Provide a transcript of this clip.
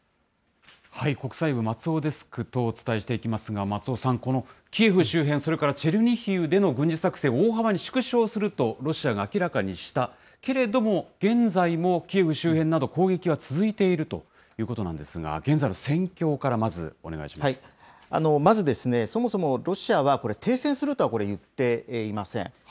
国際部、松尾デスクとお伝えしていきますが、松尾さん、このキエフ周辺、それからチェルニヒウでの軍事作戦、大幅に縮小するとロシアが明らかにしたけれども、現在もキエフ周辺など、攻撃は続いているということなんですが、現在の戦況から、まず、そもそもロシアはこれ、停戦するとは、これ、言っていません。